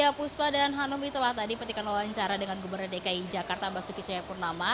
ya puspa dan hanum itulah tadi petikan wawancara dengan gubernur dki jakarta basuki cayapurnama